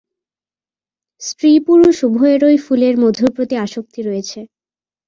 স্ত্রী পুরুষ উভয়েরই ফুলের মধুর প্রতি আসক্তি রয়েছে।